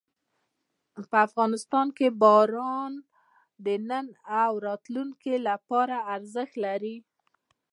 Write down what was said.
افغانستان کې باران د نن او راتلونکي لپاره ارزښت لري.